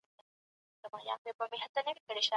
سياسي رقابت بايد سالمه بڼه ولري.